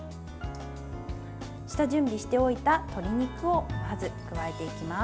下準備しておいた鶏肉をまず加えていきます。